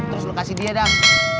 terus lo kasih dia dong